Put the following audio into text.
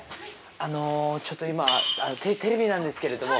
あのちょっと今テレビなんですけれども。